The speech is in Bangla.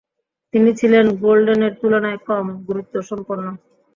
তিনি ছিলেন গ্লোডেনের তুলনায় কম গুরুত্বসম্পন্ন।